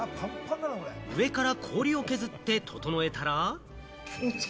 上から氷を削って整えたら。